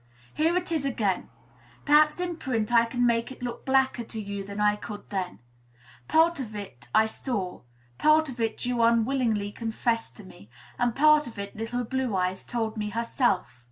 Here it is again: perhaps in print I can make it look blacker to you than I could then; part of it I saw, part of it you unwillingly confessed to me, and part of it little Blue Eyes told me herself.